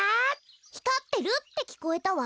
ひかってるってきこえたわ。